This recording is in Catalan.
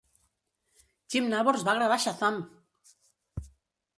Jim Nabors va gravar Shazam!